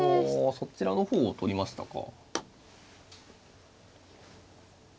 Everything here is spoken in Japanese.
そちらの方を取りましたか。